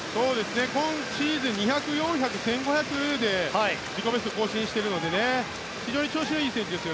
今シーズン２００、４００、１５００で自己ベストを更新しているので調子がいい選手です。